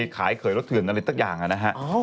มึงกลับไปขายเคยรถเทือนอะไรสักอย่างอะนะฮะออ